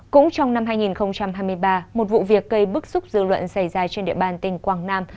cũng trong năm hai nghìn hai mươi ba một vụ việc gây bức xúc dư luận xảy ra trên địa bàn tỉnh quảng nam